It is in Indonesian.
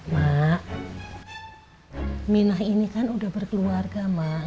mak minah ini kan udah berkeluarga mak